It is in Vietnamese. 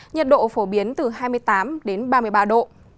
nhiệt độ phổ biến từ hai mươi tám đến ba mươi ba độ